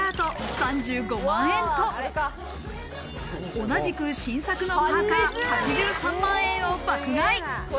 ３５万円と、同じく新作のパーカー８３万円を爆買い。